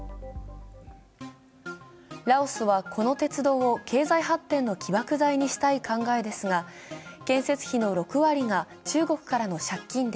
ラオスはこの鉄道を経済発展の起爆剤にしたい考えですが建設費の６割が中国からの借金で